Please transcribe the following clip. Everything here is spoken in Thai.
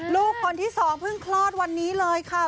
ลูกคนที่สองเพิ่งคลอดวันนี้เลยค่ะ